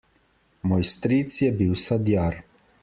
Moj stric je bil sadjar.